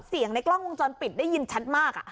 ในกล้องวงจรปิดได้ยินชัดมาก